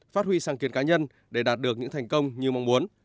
phát huy sáng kiến cá nhân để đạt được những thành công như mong muốn